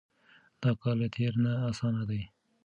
دا کار له تېر نه اسانه دی.